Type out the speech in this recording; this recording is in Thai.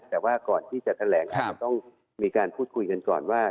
แต่ว่าก่อนที่จะแถลงอาจจะต้องมีการพูดคุยกันก่อนว่า